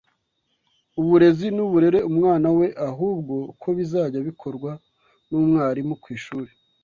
uburezi n’uburere umwana we ahubwo ko bizajya bikorwa n’umwarimu kw’ishuri